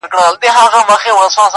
پر تاخچو، پر صندوقونو پر کونجونو.!